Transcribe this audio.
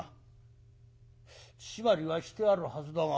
締まりはしてあるはずだが」。